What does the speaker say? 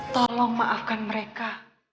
tolong maafkan mereka